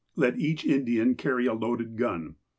Let each Indian carry a loaded gun.